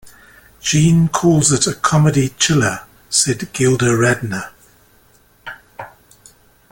"Gene calls it a 'comedy chiller'," said Gilda Radner.